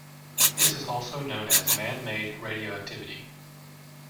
This is also known as man-made radioactivity.